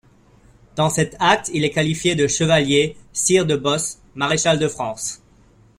Dans cet acte il est qualifié de chevalier, sire de Bos, maréchal de France.